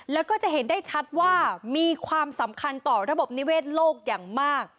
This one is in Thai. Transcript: แล้วก็จะเห็นได้ชัดว่ามีความสำคัญต่อระบบนิเวศโลกอย่างมาก